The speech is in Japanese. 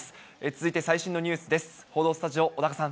続いて最新のニュースです。